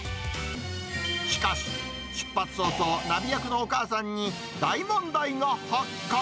しかし、出発早々、ナビ役のお母さんに、大問題が発覚。